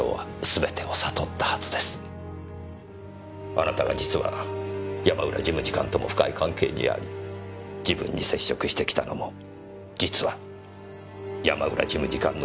あなたが実は山浦事務次官とも深い関係にあり自分に接触してきたのも実は山浦事務次官の差し金であった事もすべて。